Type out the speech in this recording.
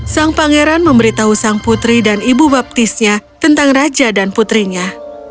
sang pangeran memberitahu sang putri dan ibu baptisnya tentang raja dan putrinya